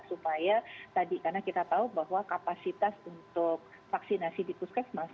supaya tadi karena kita tahu bahwa kapasitas untuk vaksinasi di puskesmas